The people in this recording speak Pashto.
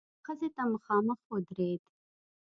ښځې ته مخامخ ودرېد.